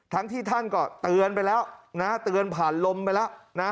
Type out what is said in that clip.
ทั้งที่ท่านก็เตือนไปแล้วนะเตือนผ่านลมไปแล้วนะ